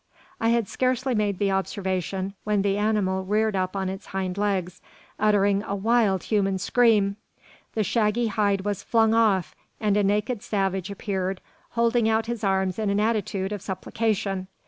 I had scarcely made the observation when the animal reared up on its hind legs, uttering a wild human scream; the shaggy hide was flung off; and a naked savage appeared, holding out his arms in an attitude of supplication.